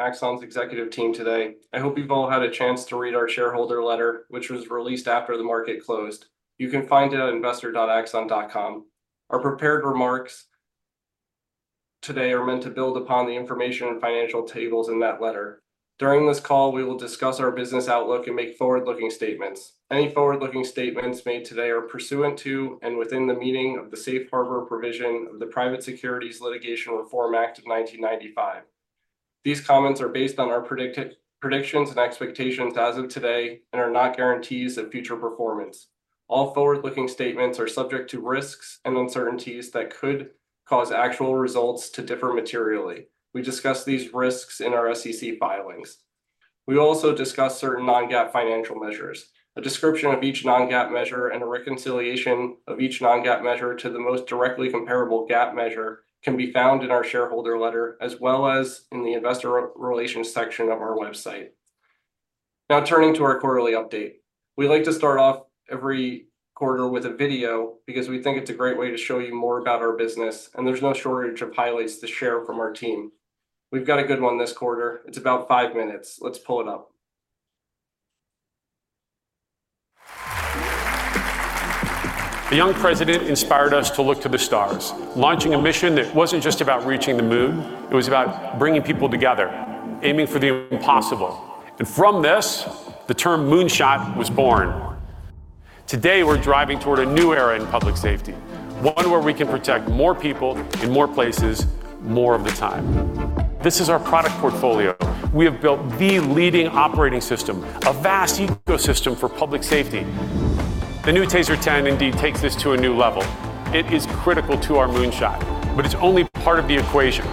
Axon's executive team today. I hope you've all had a chance to read our shareholder letter, which was released after the market closed. You can find it at investor.axon.com. Our prepared remarks today are meant to build upon the information and financial tables in that letter. During this call, we will discuss our business outlook and make forward-looking statements. Any forward-looking statements made today are pursuant to, and within the meaning of the Safe Harbor provision of the Private Securities Litigation Reform Act of 1995. These comments are based on our predictions and expectations as of today, and are not guarantees of future performance. All forward-looking statements are subject to risks and uncertainties that could cause actual results to differ materially. We discuss these risks in our SEC filings. We also discuss certain non-GAAP financial measures. A description of each non-GAAP measure and a reconciliation of each non-GAAP measure to the most directly comparable GAAP measure can be found in our shareholder letter, as well as in the investor relations section of our website. Now, turning to our quarterly update. We like to start off every quarter with a video, because we think it's a great way to show you more about our business, and there's no shortage of highlights to share from our team. We've got a good one this quarter. It's about five minutes. Let's pull it up. The young president inspired us to look to the stars, launching a mission that wasn't just about reaching the moon, it was about bringing people together, aiming for the impossible, and from this, the term moonshot was born. Today, we're driving toward a new era in public safety, one where we can protect more people, in more places, more of the time. This is our product portfolio. We have built the leading operating system, a vast ecosystem for public safety. The new TASER 10 indeed takes this to a new level. It is critical to our Moonshot, but it's only part of the equation.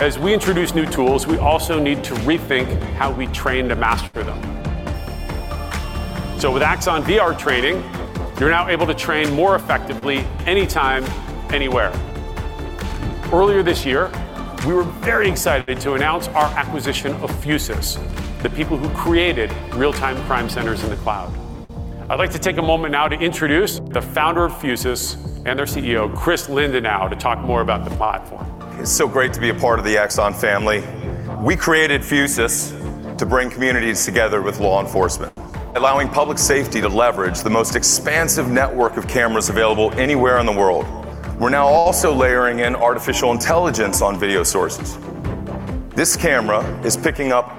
As we introduce new tools, we also need to rethink how we train to master them. So with Axon VR Training, you're now able to train more effectively anytime, anywhere. Earlier this year, we were very excited to announce our acquisition of Fusus, the people who created real-time crime centers in the cloud. I'd like to take a moment now to introduce the founder of Fusus and their CEO, Chris Lindenau, to talk more about the platform. It's so great to be a part of the Axon family. We created Fusus to bring communities together with law enforcement, allowing public safety to leverage the most expansive network of cameras available anywhere in the world. We're now also layering in artificial intelligence on video sources. This camera is picking up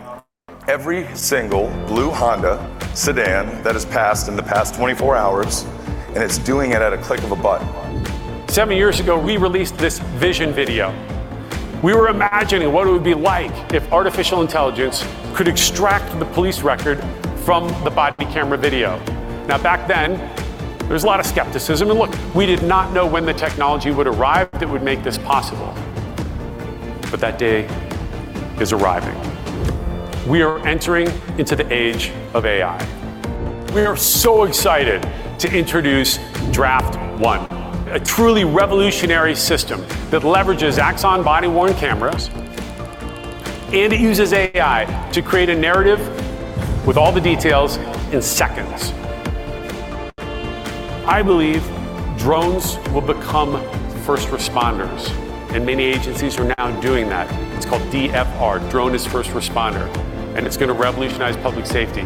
every single blue Honda sedan that has passed in the past 24 hours, and it's doing it at a click of a button. Seven years ago, we released this vision video. We were imagining what it would be like if artificial intelligence could extract the police record from the body camera video. Now, back then, there was a lot of skepticism, and look, we did not know when the technology would arrive that would make this possible, but that day is arriving. We are entering into the age of AI. We are so excited to introduce Draft One, a truly revolutionary system that leverages Axon body-worn cameras, and it uses AI to create a narrative with all the details in seconds. I believe drones will become first responders, and many agencies are now doing that. It's called DFR, Drone as First Responder, and it's gonna revolutionize public safety.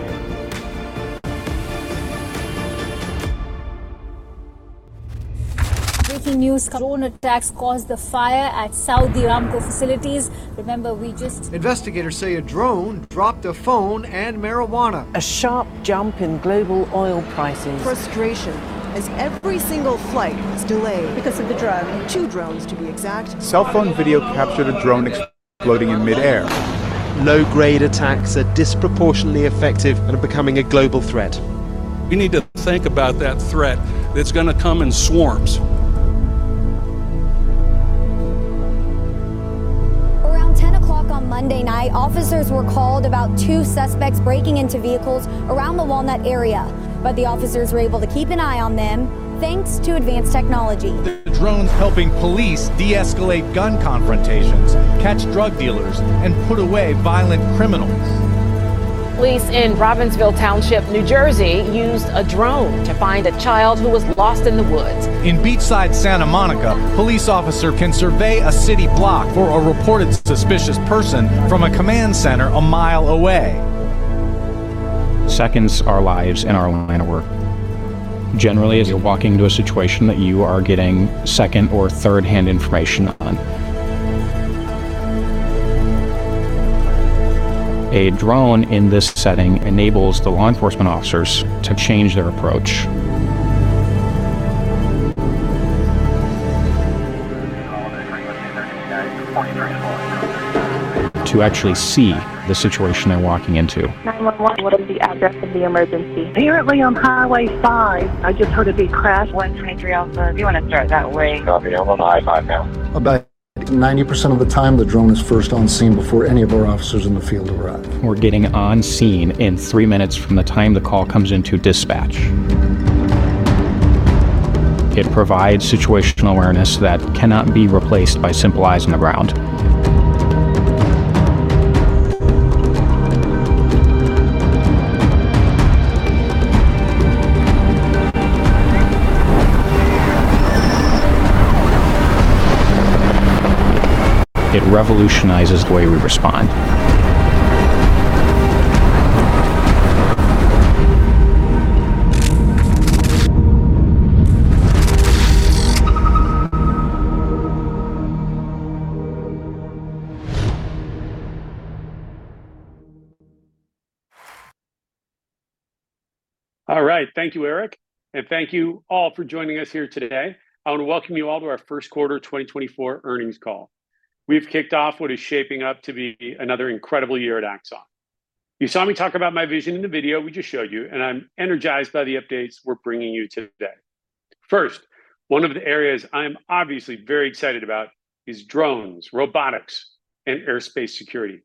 Breaking news. Drone attacks caused the fire at Saudi Aramco facilities. Remember, we just- Investigators say a drone dropped a phone and marijuana. A sharp jump in global oil prices. Frustration, as every single flight is delayed because of the drone. 2 drones to be exact. Cell phone video captured a drone exploding in midair. Low-grade attacks are disproportionately effective and are becoming a global threat. We need to think about that threat that's gonna come in swarms. Around 10 o'clock on Monday night, officers were called about two suspects breaking into vehicles around the Walnut area, but the officers were able to keep an eye on them, thanks to advanced technology. There are drones helping police de-escalate gun confrontations, catch drug dealers, and put away violent criminals. Police in Robbinsville Township, New Jersey, used a drone to find a child who was lost in the woods. In beachside Santa Monica, police officer can survey a city block for a reported suspicious person from a command center a mile away. Seconds are lives in our line of work. Generally, as you're walking into a situation that you are getting second or third-hand information on... A drone in this setting enables the law enforcement officers to change their approach. To actually see the situation they're walking into. 911, what is the address of the emergency? Currently on Highway 5. I just heard a big crash. 123 Alpha, do you want to start that way? Copy. I'm on I-5 now. About 90% of the time, the drone is first on scene before any of our officers in the field arrive. We're getting on scene in three minutes from the time the call comes into dispatch. It provides situational awareness that cannot be replaced by simple eyes on the ground. ... It revolutionizes the way we respond. All right, thank you, Erik, and thank you all for joining us here today. I want to welcome you all to our first quarter 2024 earnings call. We've kicked off what is shaping up to be another incredible year at Axon. You saw me talk about my vision in the video we just showed you, and I'm energized by the updates we're bringing you today. First, one of the areas I'm obviously very excited about is drones, robotics, and aerospace security.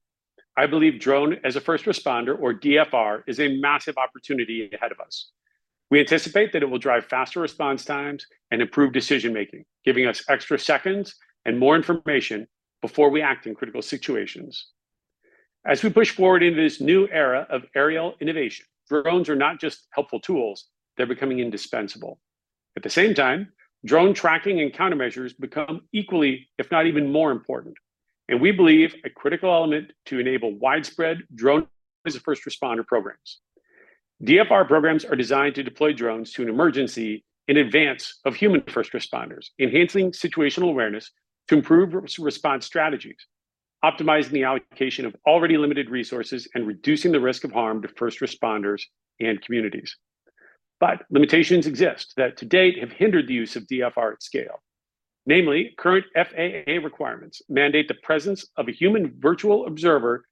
I believe Drone as a First Responder, or DFR, is a massive opportunity ahead of us. We anticipate that it will drive faster response times and improve decision-making, giving us extra seconds and more information before we act in critical situations. As we push forward into this new era of aerial innovation, drones are not just helpful tools, they're becoming indispensable. At the same time, drone tracking and countermeasures become equally, if not even more important, and we believe a critical element to enable widespread Drone as a First Responder programs. DFR programs are designed to deploy drones to an emergency in advance of human first responders, enhancing situational awareness to improve response strategies, optimizing the allocation of already limited resources, and reducing the risk of harm to first responders and communities. But limitations exist that, to date, have hindered the use of DFR at scale. Namely, current FAA requirements mandate the presence of a human virtual observer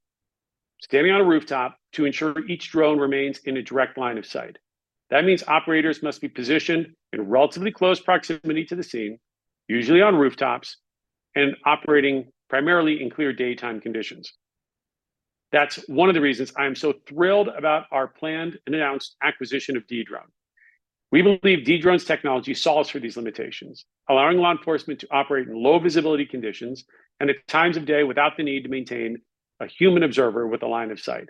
standing on a rooftop to ensure each drone remains in a direct line of sight. That means operators must be positioned in relatively close proximity to the scene, usually on rooftops, and operating primarily in clear daytime conditions. That's one of the reasons I'm so thrilled about our planned and announced acquisition of Dedrone. We believe Dedrone's technology solves for these limitations, allowing law enforcement to operate in low visibility conditions and at times of day without the need to maintain a human observer with a line of sight.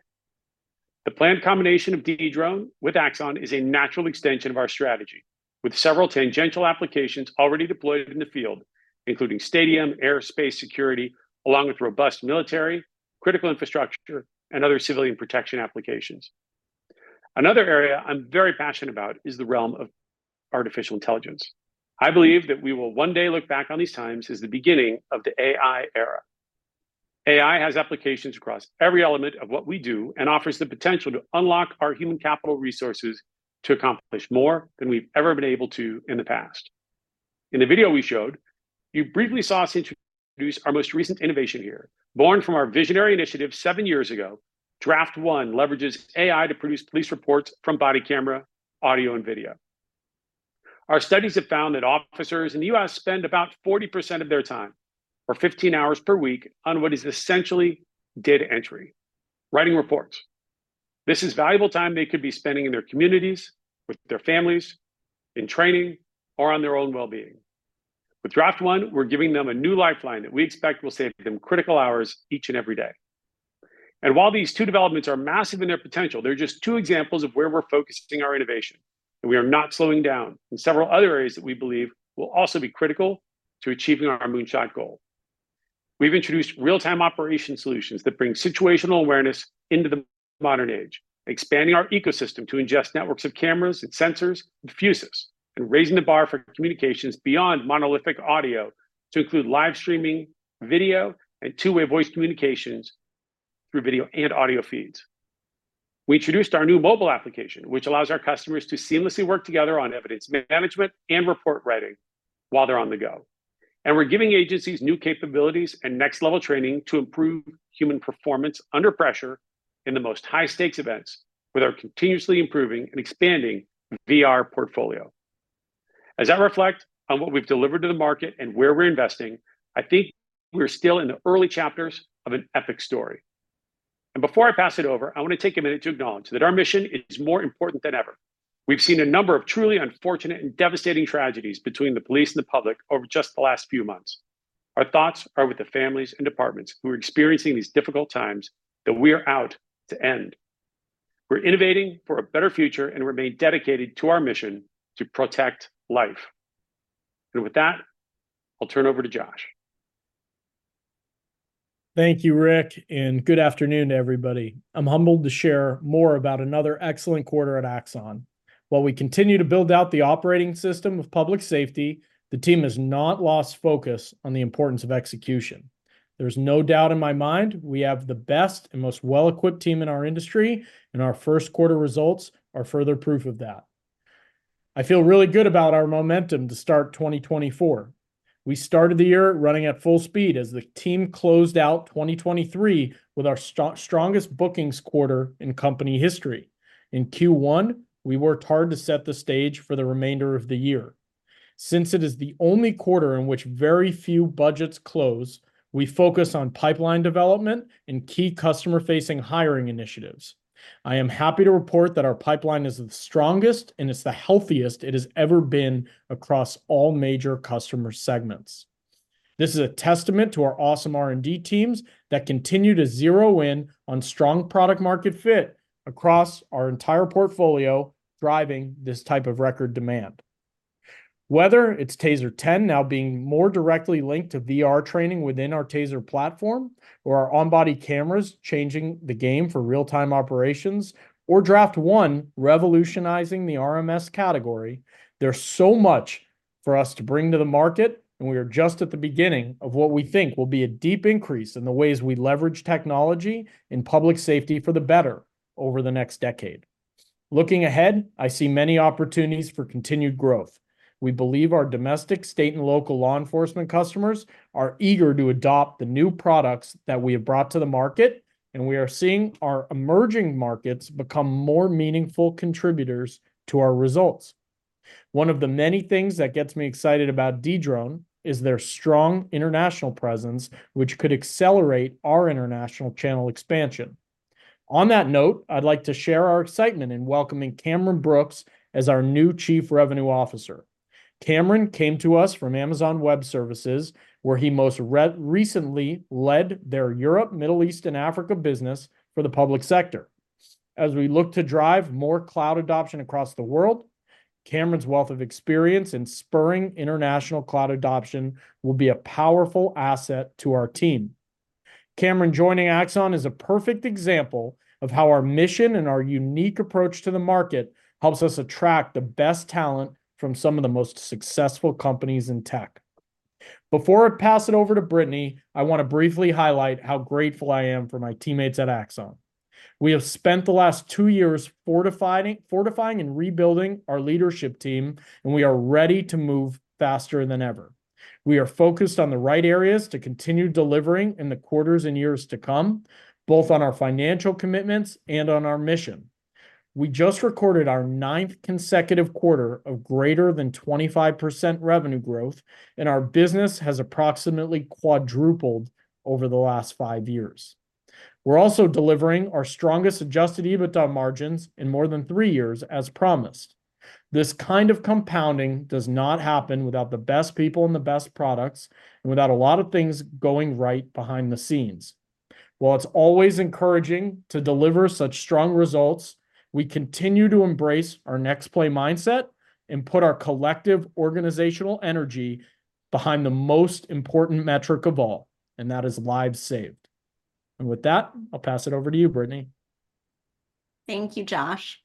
The planned combination of Dedrone with Axon is a natural extension of our strategy, with several tangential applications already deployed in the field, including stadium, airspace security, along with robust military, critical infrastructure, and other civilian protection applications. Another area I'm very passionate about is the realm of artificial intelligence. I believe that we will one day look back on these times as the beginning of the AI era. AI has applications across every element of what we do and offers the potential to unlock our human capital resources to accomplish more than we've ever been able to in the past. In the video we showed, you briefly saw us introduce our most recent innovation here. Born from our visionary initiative 7 years ago, Draft One leverages AI to produce police reports from body camera, audio, and video. Our studies have found that officers in the U.S. spend about 40% of their time, or 15 hours per week, on what is essentially data entry, writing reports. This is valuable time they could be spending in their communities, with their families, in training, or on their own well-being. With Draft One, we're giving them a new lifeline that we expect will save them critical hours each and every day. While these two developments are massive in their potential, they're just two examples of where we're focusing our innovation, and we are not slowing down in several other areas that we believe will also be critical to achieving our Moonshot goal. We've introduced Real-Time Operations solutions that bring situational awareness into the modern age, expanding our ecosystem to ingest networks of cameras and sensors, and Fusus, and raising the bar for communications beyond monolithic audio to include live streaming, video, and two-way voice communications through video and audio feeds. We introduced our new mobile application, which allows our customers to seamlessly work together on evidence management and report writing while they're on the go. We're giving agencies new capabilities and next-level training to improve human performance under pressure in the most high-stakes events with our continuously improving and expanding VR portfolio. As I reflect on what we've delivered to the market and where we're investing, I think we're still in the early chapters of an epic story. Before I pass it over, I want to take a minute to acknowledge that our mission is more important than ever. We've seen a number of truly unfortunate and devastating tragedies between the police and the public over just the last few months. Our thoughts are with the families and departments who are experiencing these difficult times that we are out to end. We're innovating for a better future and remain dedicated to our mission to protect life. With that, I'll turn it over to Josh. Thank you, Rick, and good afternoon, everybody. I'm humbled to share more about another excellent quarter at Axon. While we continue to build out the operating system of public safety, the team has not lost focus on the importance of execution. There's no doubt in my mind we have the best and most well-equipped team in our industry, and our first quarter results are further proof of that. I feel really good about our momentum to start 2024. We started the year running at full speed as the team closed out 2023 with our strongest bookings quarter in company history. In Q1, we worked hard to set the stage for the remainder of the year. Since it is the only quarter in which very few budgets close, we focus on pipeline development and key customer-facing hiring initiatives. I am happy to report that our pipeline is the strongest, and it's the healthiest it has ever been across all major customer segments.... This is a testament to our awesome R&D teams that continue to zero in on strong product market fit across our entire portfolio, driving this type of record demand. Whether it's TASER 10 now being more directly linked to VR training within our TASER platform, or our on-body cameras changing the game for real-time operations, or Draft One revolutionizing the RMS category, there's so much for us to bring to the market, and we are just at the beginning of what we think will be a deep increase in the ways we leverage technology in public safety for the better over the next decade. Looking ahead, I see many opportunities for continued growth. We believe our domestic state and local law enforcement customers are eager to adopt the new products that we have brought to the market, and we are seeing our emerging markets become more meaningful contributors to our results. One of the many things that gets me excited about Dedrone is their strong international presence, which could accelerate our international channel expansion. On that note, I'd like to share our excitement in welcoming Cameron Brooks as our new Chief Revenue Officer. Cameron came to us from Amazon Web Services, where he most recently led their Europe, Middle East, and Africa business for the public sector. As we look to drive more cloud adoption across the world, Cameron's wealth of experience in spurring international cloud adoption will be a powerful asset to our team. Cameron joining Axon is a perfect example of how our mission and our unique approach to the market helps us attract the best talent from some of the most successful companies in tech. Before I pass it over to Brittany, I wanna briefly highlight how grateful I am for my teammates at Axon. We have spent the last two years fortifying and rebuilding our leadership team, and we are ready to move faster than ever. We are focused on the right areas to continue delivering in the quarters and years to come, both on our financial commitments and on our mission. We just recorded our ninth consecutive quarter of greater than 25% revenue growth, and our business has approximately quadrupled over the last five years. We're also delivering our strongest adjusted EBITDA margins in more than three years, as promised. This kind of compounding does not happen without the best people and the best products, and without a lot of things going right behind the scenes. While it's always encouraging to deliver such strong results, we continue to embrace our next-play mindset and put our collective organizational energy behind the most important metric of all, and that is lives saved. With that, I'll pass it over to you, Brittany. Thank you, Josh.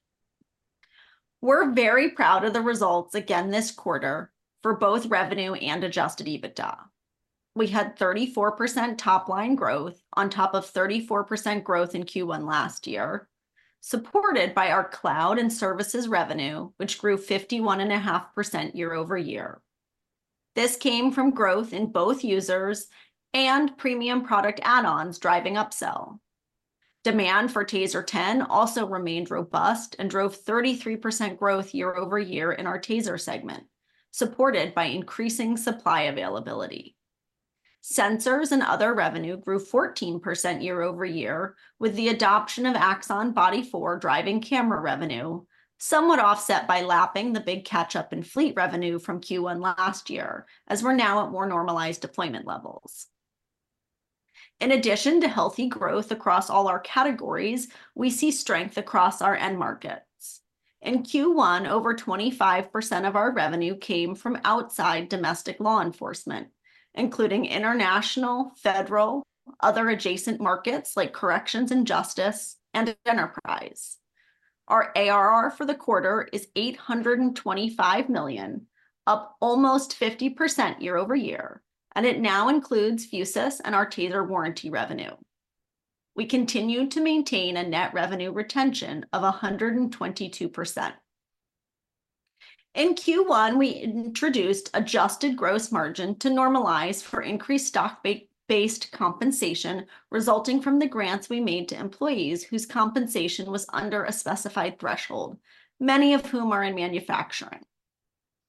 We're very proud of the results again this quarter for both revenue and adjusted EBITDA. We had 34% top line growth on top of 34% growth in Q1 last year, supported by our cloud and services revenue, which grew 51.5% year-over-year. This came from growth in both users and premium product add-ons driving upsell. Demand for TASER 10 also remained robust and drove 33% growth year-over-year in our TASER segment, supported by increasing supply availability. Sensors and other revenue grew 14% year-over-year, with the adoption of Axon Body 4 driving camera revenue, somewhat offset by lapping the big catch-up in fleet revenue from Q1 last year, as we're now at more normalized deployment levels. In addition to healthy growth across all our categories, we see strength across our end markets. In Q1, over 25% of our revenue came from outside domestic law enforcement, including international, federal, other adjacent markets, like corrections and justice, and enterprise. Our ARR for the quarter is $825 million, up almost 50% year over year, and it now includes Fusus and our Taser warranty revenue. We continue to maintain a net revenue retention of 122%. In Q1, we introduced adjusted gross margin to normalize for increased stock-based compensation resulting from the grants we made to employees whose compensation was under a specified threshold, many of whom are in manufacturing.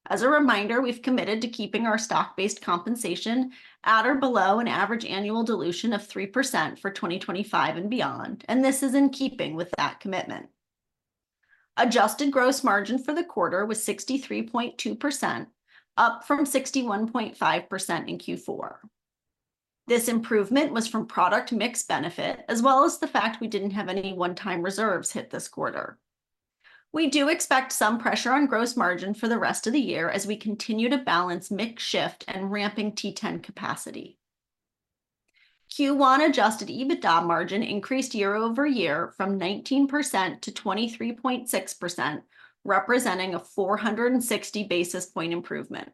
As a reminder, we've committed to keeping our stock-based compensation at or below an average annual dilution of 3% for 2025 and beyond, and this is in keeping with that commitment. Adjusted gross margin for the quarter was 63.2%, up from 61.5% in Q4. This improvement was from product mix benefit, as well as the fact we didn't have any one-time reserves hit this quarter. We do expect some pressure on gross margin for the rest of the year as we continue to balance mix shift and ramping T10 capacity. Q1 adjusted EBITDA margin increased year-over-year from 19% to 23.6%, representing a 460 basis point improvement.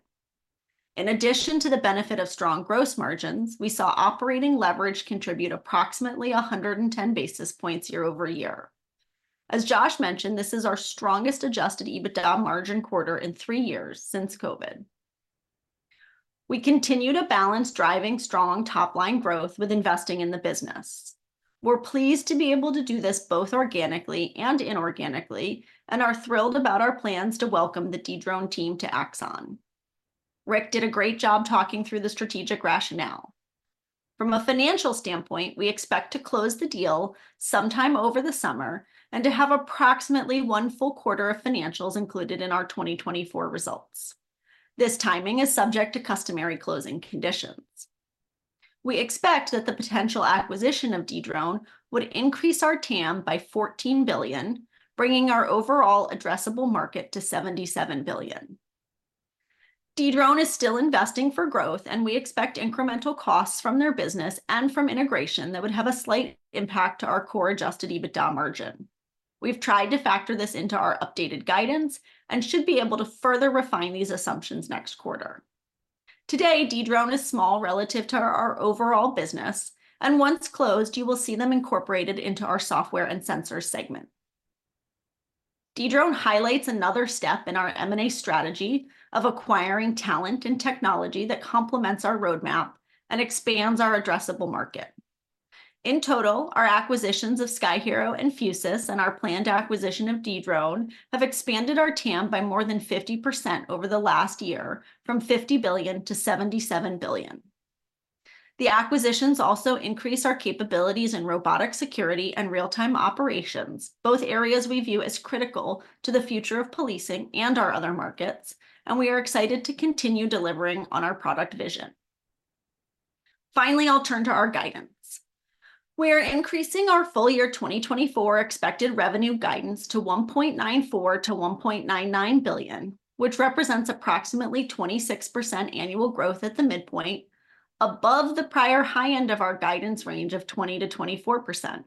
In addition to the benefit of strong gross margins, we saw operating leverage contribute approximately 110 basis points year-over-year. As Josh mentioned, this is our strongest adjusted EBITDA margin quarter in three years since COVID. We continue to balance driving strong top-line growth with investing in the business. We're pleased to be able to do this both organically and inorganically and are thrilled about our plans to welcome the Dedrone team to Axon. Rick did a great job talking through the strategic rationale. From a financial standpoint, we expect to close the deal sometime over the summer, and to have approximately one full quarter of financials included in our 2024 results. This timing is subject to customary closing conditions. We expect that the potential acquisition of Dedrone would increase our TAM by $14 billion, bringing our overall addressable market to $77 billion. Dedrone is still investing for growth, and we expect incremental costs from their business and from integration that would have a slight impact to our core adjusted EBITDA margin. We've tried to factor this into our updated guidance, and should be able to further refine these assumptions next quarter. Today, Dedrone is small relative to our overall business, and once closed, you will see them incorporated into our software and sensor segment. Dedrone highlights another step in our M&A strategy of acquiring talent and technology that complements our roadmap and expands our addressable market. In total, our acquisitions of Sky-Hero and Fusus, and our planned acquisition of Dedrone, have expanded our TAM by more than 50% over the last year, from $50 billion to $77 billion. The acquisitions also increase our capabilities in robotic security and real-time operations, both areas we view as critical to the future of policing and our other markets, and we are excited to continue delivering on our product vision. Finally, I'll turn to our guidance. We're increasing our full-year 2024 expected revenue guidance to $1.94 billion-$1.99 billion, which represents approximately 26% annual growth at the midpoint, above the prior high end of our guidance range of 20%-24%.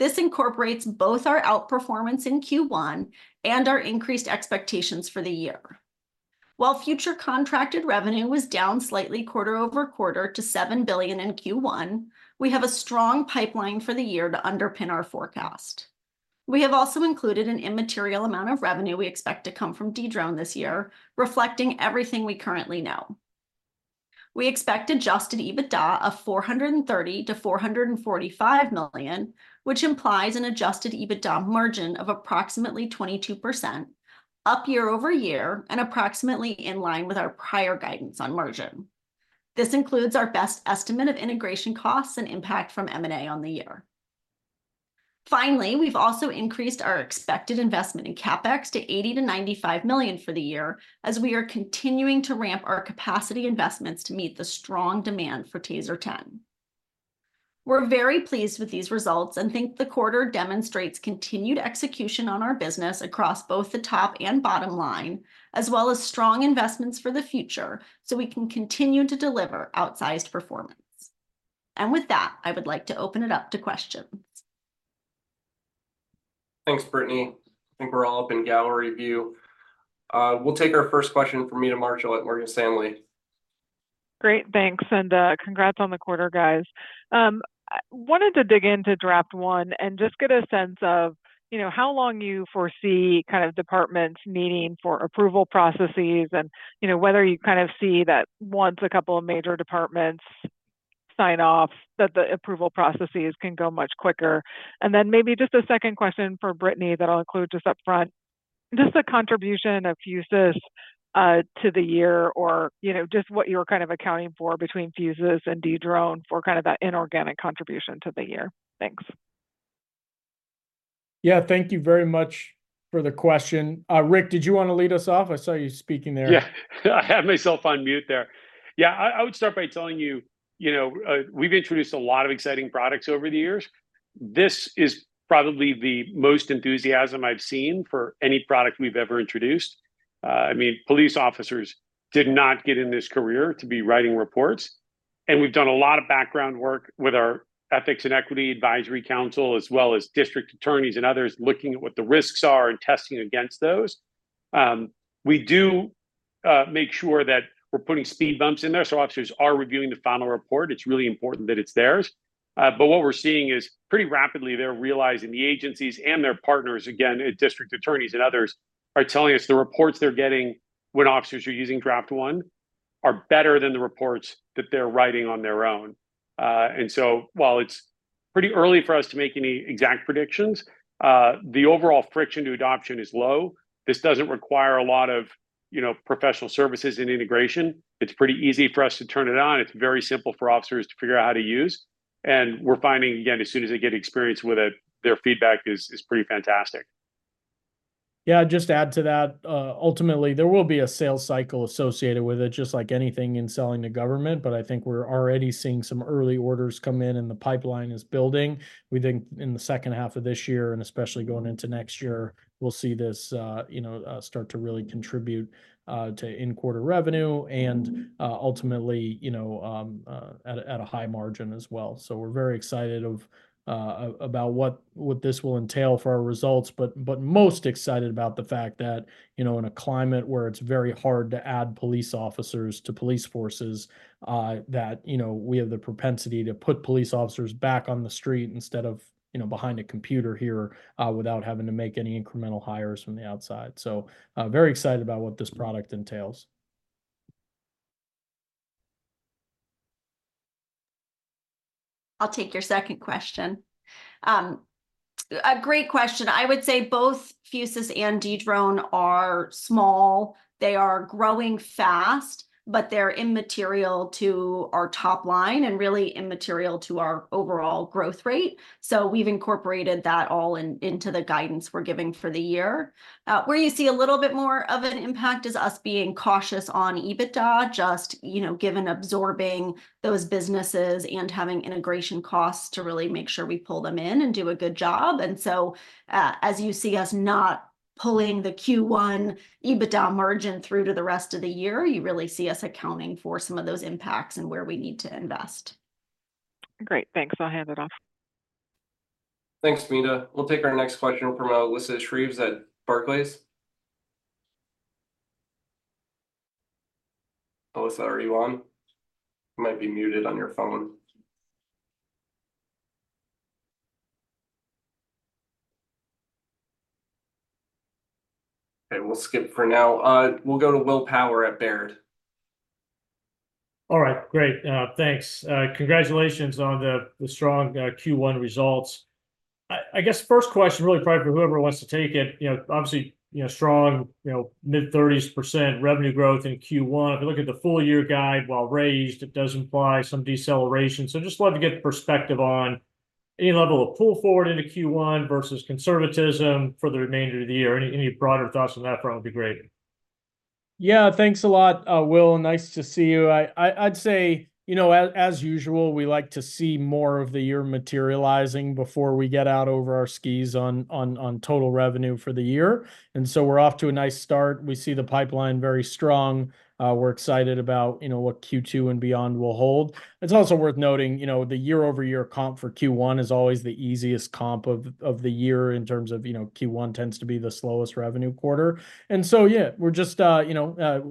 This incorporates both our outperformance in Q1 and our increased expectations for the year. While future contracted revenue was down slightly quarter-over-quarter to $7 billion in Q1, we have a strong pipeline for the year to underpin our forecast. We have also included an immaterial amount of revenue we expect to come from Dedrone this year, reflecting everything we currently know. We expect Adjusted EBITDA of $430 million-$445 million, which implies an Adjusted EBITDA margin of approximately 22%, up year-over-year, and approximately in line with our prior guidance on margin. This includes our best estimate of integration costs and impact from M&A on the year. Finally, we've also increased our expected investment in CapEx to $80 million-$95 million for the year, as we are continuing to ramp our capacity investments to meet the strong demand for TASER 10. We're very pleased with these results, and think the quarter demonstrates continued execution on our business across both the top and bottom line, as well as strong investments for the future, so we can continue to deliver outsized performance. With that, I would like to open it up to questions. Thanks, Brittany. I think we're all up in gallery view. We'll take our first question from Meta Marshall at Morgan Stanley. Great, thanks, and congrats on the quarter, guys. I wanted to dig into Draft One, and just get a sense of, you know, how long you foresee kind of departments needing for approval processes, and, you know, whether you kind of see that once a couple of major departments sign off, that the approval processes can go much quicker. And then maybe just a second question for Brittany that I'll include just upfront, just the contribution of Fusus to the year, or, you know, just what you're kind of accounting for between Fusus and Dedrone for kind of that inorganic contribution to the year. Thanks. Yeah, thank you very much for the question. Rick, did you wanna lead us off? I saw you speaking there. Yeah, I had myself on mute there. Yeah, I would start by telling you, you know, we've introduced a lot of exciting products over the years. This is probably the most enthusiasm I've seen for any product we've ever introduced. I mean, police officers did not get in this career to be writing reports, and we've done a lot of background work with our Ethics and Equity Advisory Council, as well as district attorneys and others, looking at what the risks are and testing against those. We do make sure that we're putting speed bumps in there, so officers are reviewing the final report. It's really important that it's theirs. But what we're seeing is, pretty rapidly, they're realizing, the agencies and their partners, again, district attorneys and others, are telling us the reports they're getting when officers are using Draft One are better than the reports that they're writing on their own. And so while it's pretty early for us to make any exact predictions, the overall friction to adoption is low. This doesn't require a lot of, you know, professional services and integration. It's pretty easy for us to turn it on. It's very simple for officers to figure out how to use, and we're finding, again, as soon as they get experience with it, their feedback is pretty fantastic. Yeah, just to add to that, ultimately, there will be a sales cycle associated with it, just like anything in selling to government. But I think we're already seeing some early orders come in, and the pipeline is building. We think in the second half of this year, and especially going into next year, we'll see this, you know, start to really contribute to in-quarter revenue, and, ultimately, you know, at a high margin as well. So we're very excited about what this will entail for our results, but most excited about the fact that, you know, in a climate where it's very hard to add police officers to police forces, that, you know, we have the propensity to put police officers back on the street instead of, you know, behind a computer here, without having to make any incremental hires from the outside. So very excited about what this product entails. I'll take your second question. A great question. I would say both Fusus and Dedrone are small. They are growing fast, but they're immaterial to our top line, and really immaterial to our overall growth rate, so we've incorporated that all in, into the guidance we're giving for the year. Where you see a little bit more of an impact is us being cautious on EBITDA, just, you know, given absorbing those businesses and having integration costs to really make sure we pull them in and do a good job. And so, as you see us not pulling the Q1 EBITDA margin through to the rest of the year, you really see us accounting for some of those impacts and where we need to invest. Great, thanks. I'll hand it off. Thanks, Meta. We'll take our next question from Alyssa Shreves at Barclays. Alyssa, are you on? You might be muted on your phone. Okay, we'll skip for now. We'll go to Will Power at Baird. All right, great. Thanks. Congratulations on the strong Q1 results. I guess first question, really probably for whoever wants to take it, you know, obviously, you know, strong, you know, mid-30s% revenue growth in Q1. If you look at the full year guide, while raised, it does imply some deceleration, so just love to get perspective on any level of pull forward into Q1 versus conservatism for the remainder of the year. Any broader thoughts on that front would be great. Yeah, thanks a lot, Will, nice to see you. I'd say, you know, as usual, we like to see more of the year materializing before we get out over our skis on total revenue for the year, and so we're off to a nice start. We see the pipeline very strong. We're excited about, you know, what Q2 and beyond will hold. It's also worth noting, you know, the year-over-year comp for Q1 is always the easiest comp of the year in terms of, you know, Q1 tends to be the slowest revenue quarter. And so, yeah, we're just, you know,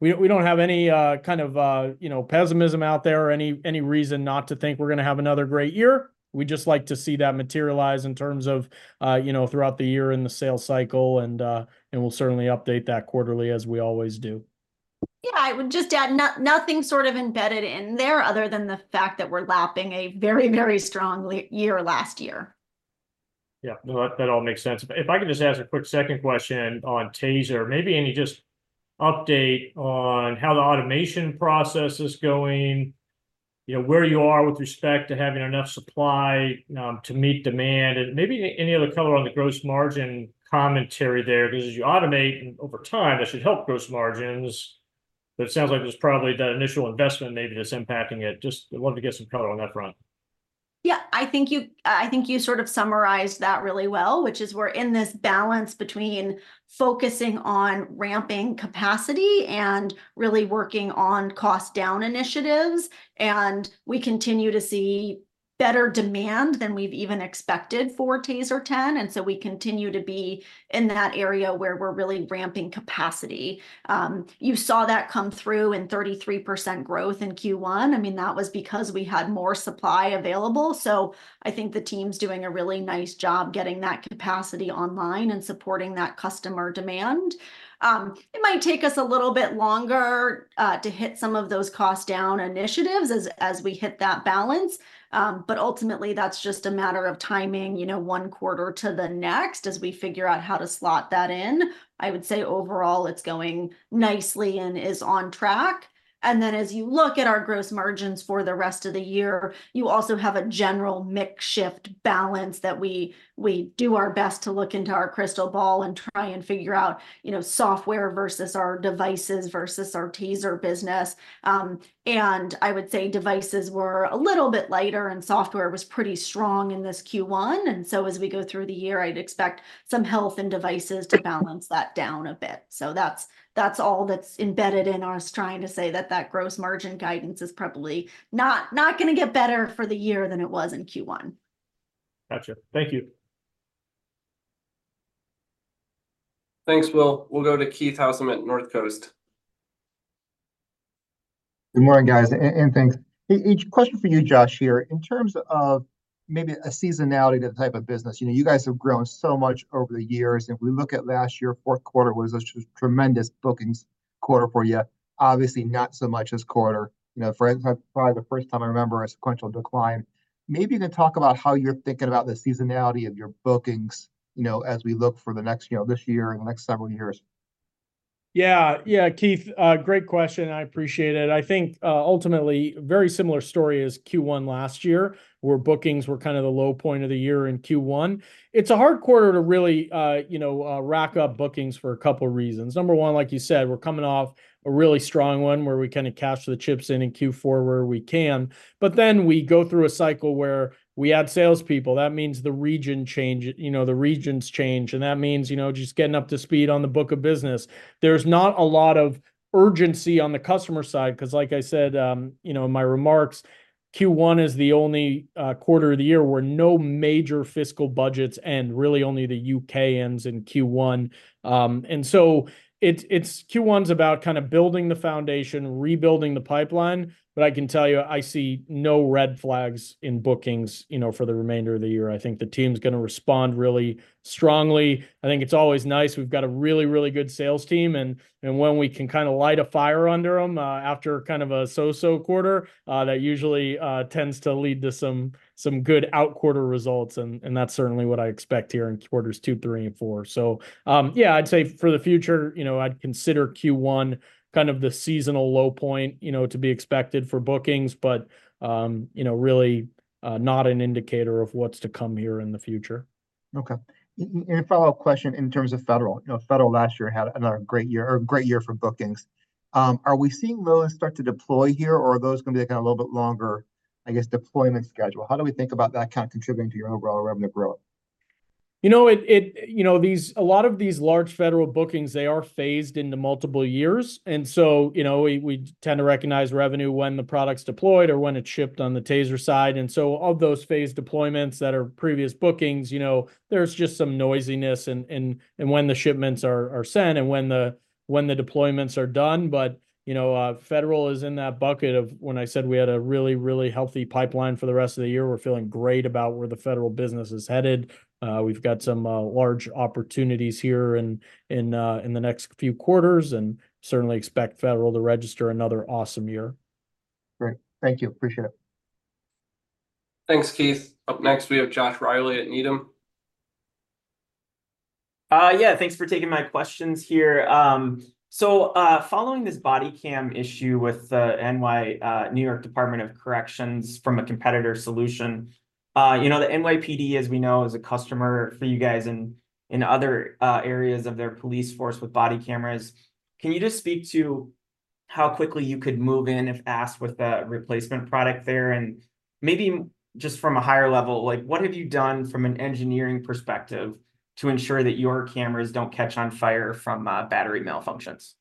we don't have any kind of, you know, pessimism out there or any reason not to think we're gonna have another great year. We just like to see that materialize in terms of, you know, throughout the year in the sales cycle, and we'll certainly update that quarterly, as we always do. Yeah, I would just add, nothing sort of embedded in there, other than the fact that we're lapping a very, very strong year last year. Yeah, no, that, that all makes sense. But if I could just ask a quick second question on TASER. Maybe any just update on how the automation process is going, you know, where you are with respect to having enough supply to meet demand, and maybe any, any other color on the gross margin commentary there, 'cause as you automate, and over time, that should help gross margins. But it sounds like there's probably that initial investment maybe that's impacting it. Just wanted to get some color on that front. Yeah, I think you sort of summarized that really well, which is we're in this balance between focusing on ramping capacity and really working on cost down initiatives, and we continue to see better demand than we've even expected for TASER 10, and so we continue to be in that area where we're really ramping capacity. You saw that come through in 33% growth in Q1. I mean, that was because we had more supply available, so I think the team's doing a really nice job getting that capacity online and supporting that customer demand. It might take us a little bit longer to hit some of those cost down initiatives as we hit that balance, but ultimately, that's just a matter of timing, you know, one quarter to the next as we figure out how to slot that in. I would say, overall, it's going nicely and is on track. Then, as you look at our gross margins for the rest of the year, you also have a general mix-shift balance that we do our best to look into our crystal ball and try and figure out, you know, software versus our devices versus our TASER business. And I would say devices were a little bit lighter, and software was pretty strong in this Q1, and so as we go through the year, I'd expect some health in devices to balance that down a bit. So that's all that's embedded in us trying to say that that gross margin guidance is probably not gonna get better for the year than it was in Q1. Gotcha. Thank you. Thanks, Will. We'll go to Keith Housum at North Coast. Good morning, guys, and thanks. A question for you, Josh, here. In terms of maybe a seasonality to the type of business, you know, you guys have grown so much over the years, and if we look at last year, fourth quarter was a tremendous bookings quarter for you. Obviously, not so much this quarter. You know, for instance, probably the first time I remember a sequential decline. Maybe you can talk about how you're thinking about the seasonality of your bookings, you know, as we look for the next, you know, this year and the next several years. Yeah. Yeah, Keith, great question, I appreciate it. I think, ultimately, very similar story as Q1 last year, where bookings were kind of the low point of the year in Q1. It's a hard quarter to really, you know, rack up bookings for a couple reasons. Number one, like you said, we're coming off a really strong one, where we kinda cash the chips in in Q4 where we can, but then we go through a cycle where we add salespeople. That means the region change. You know, the regions change, and that means, you know, just getting up to speed on the book of business. There's not a lot of urgency on the customer side, 'cause like I said, you know, in my remarks, Q1 is the only quarter of the year where no major fiscal budgets and really only the UK ends in Q1. And so it's Q1's about kind of building the foundation, rebuilding the pipeline, but I can tell you, I see no red flags in bookings, you know, for the remainder of the year. I think the team's gonna respond really strongly. I think it's always nice. We've got a really, really good sales team, and when we can kinda light a fire under them after kind of a so-so quarter, that usually tends to lead to some good outquarter results, and that's certainly what I expect here in quarters two, three, and four. So, yeah, I'd say for the future, you know, I'd consider Q1 kind of the seasonal low point, you know, to be expected for bookings, but, you know, really, not an indicator of what's to come here in the future. Okay. And a follow-up question in terms of federal. You know, federal last year had another great year, or great year for bookings. Are we seeing those start to deploy here, or are those gonna be, like, on a little bit longer, I guess, deployment schedule? How do we think about that kind of contributing to your overall revenue growth? You know, it, you know, a lot of these large federal bookings, they are phased into multiple years. And so, you know, we tend to recognize revenue when the product's deployed or when it's shipped on the Taser side. And so of those phased deployments that are previous bookings, you know, there's just some noisiness and when the shipments are sent, and when the deployments are done. But, you know, federal is in that bucket of when I said we had a really, really healthy pipeline for the rest of the year. We're feeling great about where the federal business is headed. We've got some large opportunities here in the next few quarters, and certainly expect federal to register another awesome year. Great. Thank you. Appreciate it. Thanks, Keith. Up next, we have Josh Riley at Needham. Yeah, thanks for taking my questions here. So, following this body cam issue with NY- New York Department of Corrections from a competitor solution, you know, the NYPD, as we know, is a customer for you guys in, in other areas of their police force with body cameras. Can you just speak to how quickly you could move in if asked with a replacement product there? And maybe just from a higher level, like, what have you done from an engineering perspective to ensure that your cameras don't catch on fire from battery malfunctions?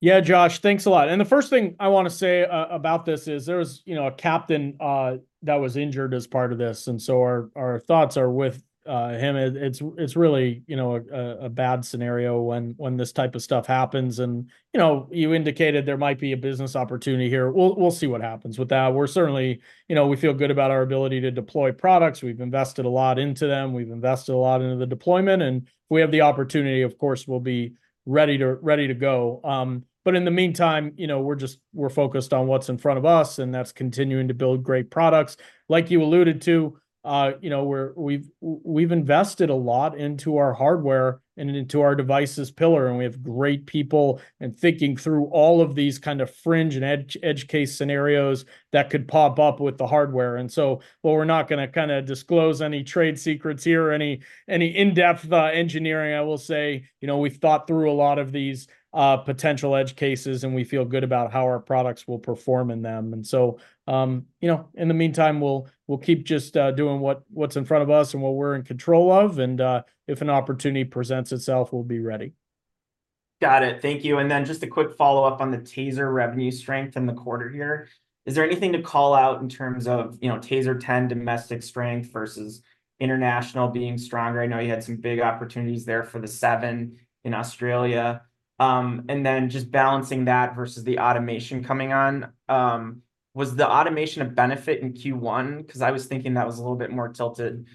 Yeah, Josh, thanks a lot. The first thing I wanna say about this is there was, you know, a captain that was injured as part of this, and so our thoughts are with him. It's really, you know, a bad scenario when this type of stuff happens and, you know, you indicated there might be a business opportunity here. We'll see what happens with that. We're certainly... You know, we feel good about our ability to deploy products. We've invested a lot into them. We've invested a lot into the deployment, and if we have the opportunity, of course, we'll be ready to go. But in the meantime, you know, we're focused on what's in front of us, and that's continuing to build great products. Like you alluded to, you know, we've invested a lot into our hardware and into our devices pillar, and we have great people, and thinking through all of these kind of fringe and edge case scenarios that could pop up with the hardware. So, while we're not gonna kinda disclose any trade secrets here or any in-depth engineering, I will say, you know, we've thought through a lot of these potential edge cases, and we feel good about how our products will perform in them. So, you know, in the meantime, we'll keep just doing what's in front of us and what we're in control of. If an opportunity presents itself, we'll be ready. Got it. Thank you. And then just a quick follow-up on the TASER revenue strength in the quarter here. Is there anything to call out in terms of, you know, TASER 10 domestic strength versus international being stronger? I know you had some big opportunities there for the TASER 7 in Australia. And then just balancing that versus the automation coming on, was the automation a benefit in Q1? 'Cause I was thinking that was a little bit more tilted,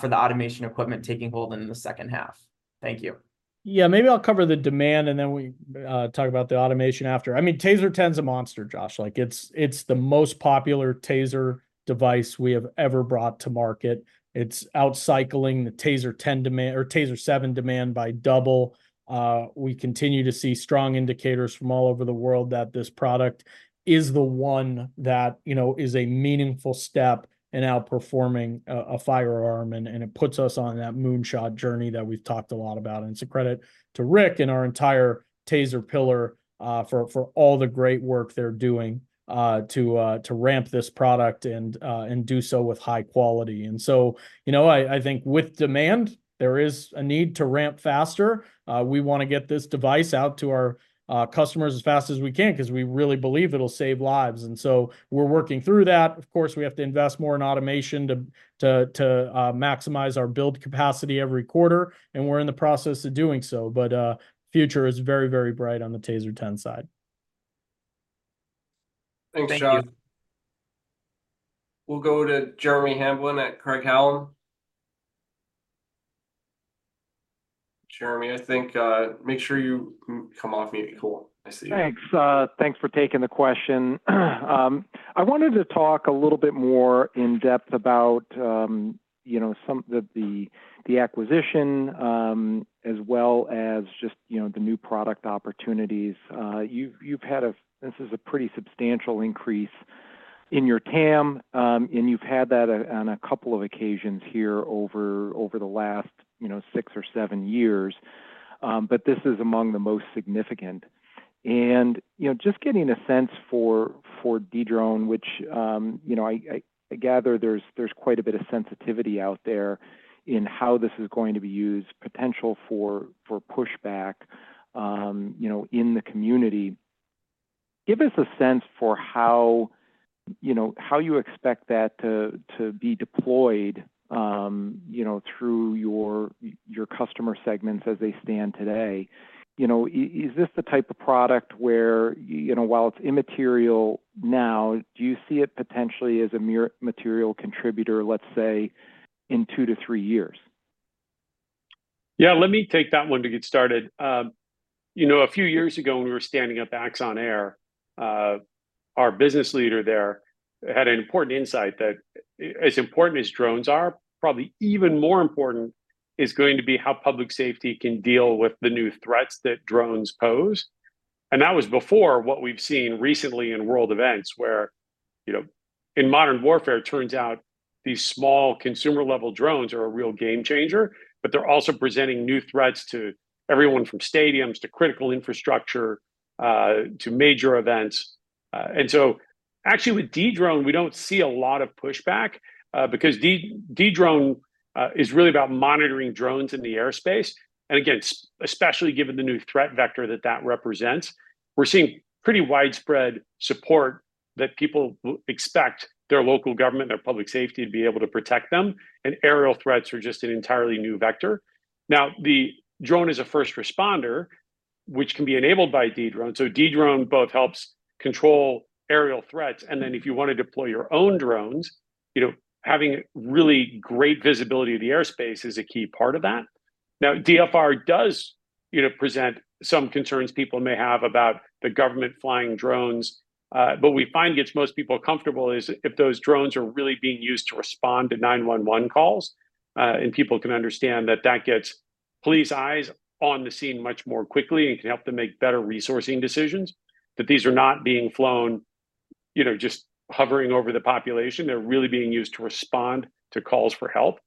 for the automation equipment taking hold in the second half. Thank you. Yeah. Maybe I'll cover the demand, and then we talk about the automation after. I mean, TASER 10 is a monster, Josh. Like, it's the most popular TASER device we have ever brought to market. It's out-cycling the TASER 10 demand- or TASER 7 demand by double. We continue to see strong indicators from all over the world that this product is the one that, you know, is a meaningful step in outperforming a firearm, and it puts us on that Moonshot journey that we've talked a lot about. And it's a credit to Rick and our entire TASER pillar for all the great work they're doing to ramp this product and do so with high quality. And so, you know, I think with demand, there is a need to ramp faster. We wanna get this device out to our customers as fast as we can, 'cause we really believe it'll save lives, and so we're working through that. Of course, we have to invest more in automation to maximize our build capacity every quarter, and we're in the process of doing so. But future is very, very bright on the TASER 10 side. Thank you. Thanks, Josh. We'll go to Jeremy Hamblin at Craig-Hallum. Jeremy, I think, make sure you come off mute. Cool, I see you. Thanks. Thanks for taking the question. I wanted to talk a little bit more in depth about, you know, the acquisition, as well as just, you know, the new product opportunities. You've had a pretty substantial increase in your TAM, and you've had that on a couple of occasions here over the last, you know, six or seven years, but this is among the most significant. You know, just getting a sense for Dedrone, which, you know, I gather there's quite a bit of sensitivity out there in how this is going to be used, potential for pushback, you know, in the community. Give us a sense for how, you know, how you expect that to be deployed, you know, through your customer segments as they stand today. You know, is this the type of product where, you know, while it's immaterial now, do you see it potentially as a material contributor, let's say, in two to three years? Yeah, let me take that one to get started. You know, a few years ago when we were standing up Axon Air, our business leader there had an important insight that, as important as drones are, probably even more important is going to be how public safety can deal with the new threats that drones pose... and that was before what we've seen recently in world events, where, you know, in modern warfare, it turns out these small consumer-level drones are a real game changer, but they're also presenting new threats to everyone from stadiums, to critical infrastructure, to major events. And so actually, with Dedrone, we don't see a lot of pushback, because Dedrone is really about monitoring drones in the airspace. And again, especially given the new threat vector that represents, we're seeing pretty widespread support that people expect their local government, their public safety, to be able to protect them, and aerial threats are just an entirely new vector. Now, the drone is a first responder, which can be enabled by Dedrone. So Dedrone both helps control aerial threats, and then if you wanna deploy your own drones, you know, having really great visibility of the airspace is a key part of that. Now, DFR does, you know, present some concerns people may have about the government flying drones, but we find that gets most people comfortable is if those drones are really being used to respond to 911 calls. People can understand that that gets police eyes on the scene much more quickly and can help them make better resourcing decisions, that these are not being flown, you know, just hovering over the population. They're really being used to respond to calls for help.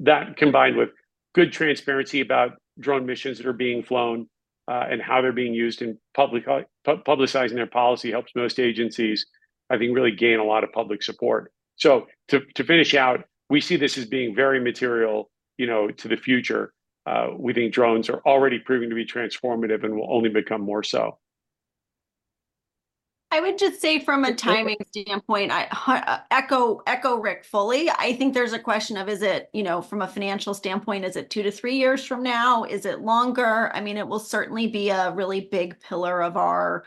That, combined with good transparency about drone missions that are being flown, and how they're being used in public, publicizing their policy, helps most agencies, I think, really gain a lot of public support. So, to finish out, we see this as being very material, you know, to the future. We think drones are already proving to be transformative and will only become more so. I would just say from a timing standpoint, I echo Rick fully. I think there's a question of, is it... You know, from a financial standpoint, is it 2-3 years from now? Is it longer? I mean, it will certainly be a really big pillar of our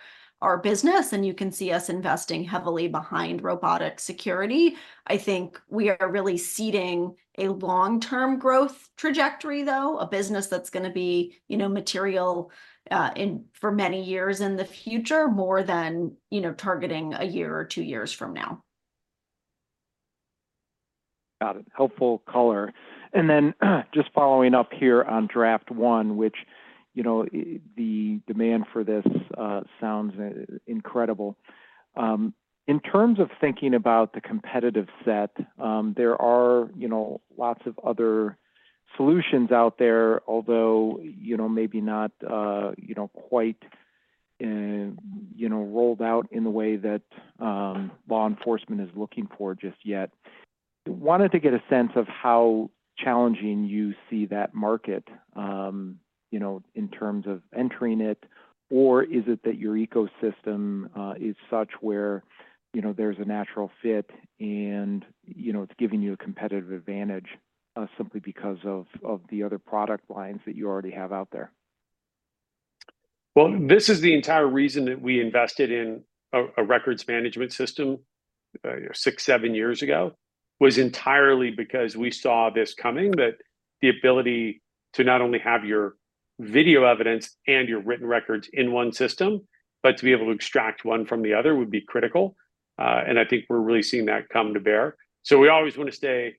business, and you can see us investing heavily behind robotic security. I think we are really seeding a long-term growth trajectory, though, a business that's gonna be, you know, material in, for many years in the future, more than, you know, targeting 1 year or 2 years from now. Got it. Helpful color. And then, just following up here on Draft One, which, you know, the demand for this sounds incredible. In terms of thinking about the competitive set, there are, you know, lots of other solutions out there, although, you know, maybe not quite, you know, rolled out in the way that law enforcement is looking for just yet. Wanted to get a sense of how challenging you see that market, you know, in terms of entering it, or is it that your ecosystem is such where, you know, there's a natural fit and, you know, it's giving you a competitive advantage simply because of, of the other product lines that you already have out there? Well, this is the entire reason that we invested in a records management system 6-7 years ago, was entirely because we saw this coming, that the ability to not only have your video evidence and your written records in one system, but to be able to extract one from the other, would be critical. I think we're really seeing that come to bear. So we always wanna stay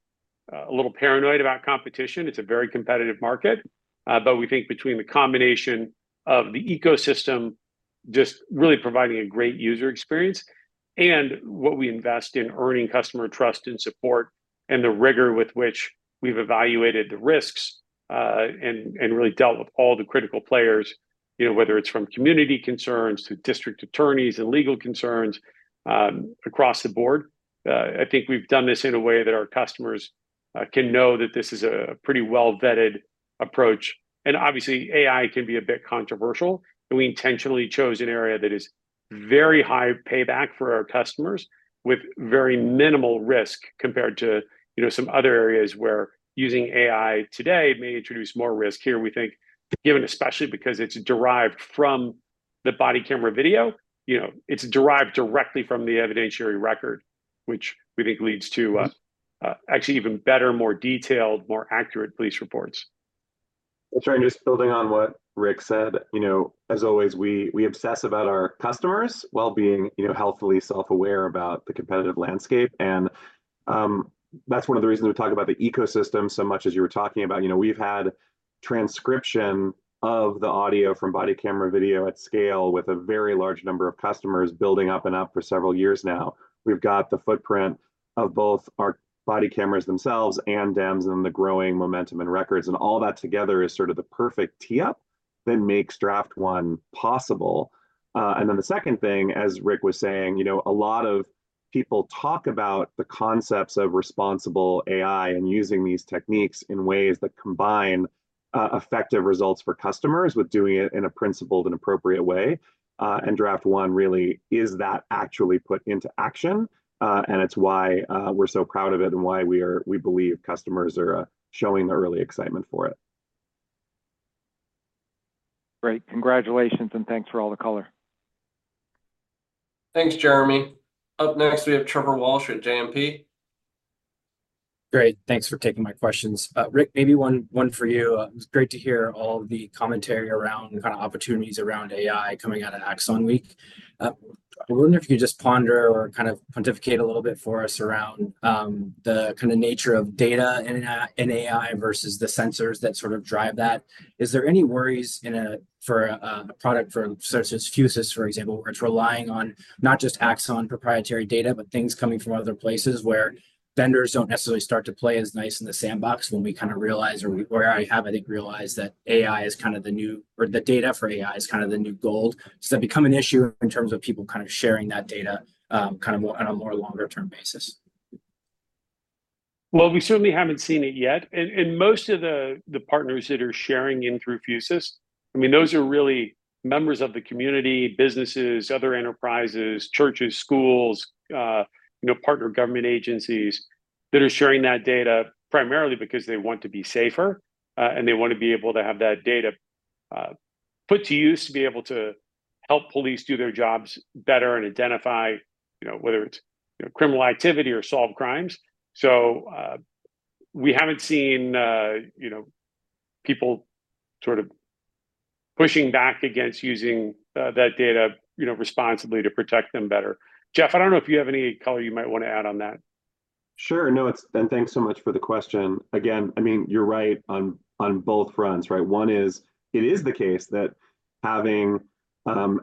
a little paranoid about competition. It's a very competitive market, but we think between the combination of the ecosystem just really providing a great user experience, and what we invest in earning customer trust and support, and the rigor with which we've evaluated the risks, and really dealt with all the critical players, you know, whether it's from community concerns, to district attorneys, and legal concerns, across the board. I think we've done this in a way that our customers can know that this is a pretty well-vetted approach. And obviously, AI can be a bit controversial, and we intentionally chose an area that is very high payback for our customers, with very minimal risk compared to, you know, some other areas where using AI today may introduce more risk. Here, we think, given especially because it's derived from the body camera video, you know, it's derived directly from the evidentiary record, which we think leads to- Mm Actually even better, more detailed, more accurate police reports. Well, sorry, just building on what Rick said, you know, as always, we obsess about our customers while being, you know, healthily self-aware about the competitive landscape. And that's one of the reasons we talk about the ecosystem so much, as you were talking about. You know, we've had transcription of the audio from body camera video at scale with a very large number of customers building up and up for several years now. We've got the footprint of both our body cameras themselves and DEMS, and the growing momentum and records, and all that together is sort of the perfect tee-up that makes Draft One possible. And then the second thing, as Rick was saying, you know, a lot of people talk about the concepts of responsible AI and using these techniques in ways that combine effective results for customers with doing it in a principled and appropriate way. And Draft One really is that actually put into action, and it's why we're so proud of it, and why we believe customers are showing early excitement for it. Great. Congratulations, and thanks for all the color. Thanks, Jeremy. Up next, we have Trevor Walsh at JMP. Great, thanks for taking my questions. Rick, maybe one, one for you. It was great to hear all the commentary around the kind of opportunities around AI coming out of Axon Week. I wonder if you could just ponder or kind of pontificate a little bit for us around the kind of nature of data in AI versus the sensors that sort of drive that. Is there any worries in a product such as Fusus, for example, where it's relying on not just Axon proprietary data, but things coming from other places where vendors don't necessarily start to play as nice in the sandbox when we kind of realize or we already have, I think, realized that AI is kind of the new... or the data for AI is kind of the new gold? Does that become an issue in terms of people kind of sharing that data kind of more on a longer-term basis? Well, we certainly haven't seen it yet, and most of the partners that are sharing in through Fusus, I mean, those are really members of the community, businesses, other enterprises, churches, schools, you know, partner government agencies, that are sharing that data primarily because they want to be safer, and they wanna be able to have that data put to use to be able to help police do their jobs better and identify, you know, whether it's, you know, criminal activity or solve crimes. So, we haven't seen, you know, people sort of pushing back against using that data, you know, responsibly to protect them better. Jeff, I don't know if you have any color you might wanna add on that. Sure. No, it's... And thanks so much for the question. Again, I mean, you're right on both fronts, right? One is, it is the case that having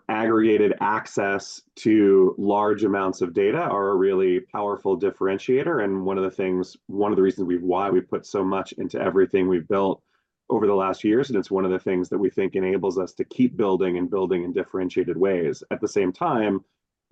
aggregated access to large amounts of data are a really powerful differentiator, and one of the things, one of the reasons why we've put so much into everything we've built over the last years, and it's one of the things that we think enables us to keep building and building in differentiated ways. At the same time,